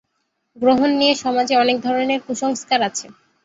গ্রহণ নিয়ে সমাজে অনেক ধরনের কুসংস্কার আছে।